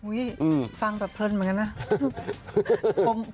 อุ้ยฟังแต่เพลินเหมือนกันนะ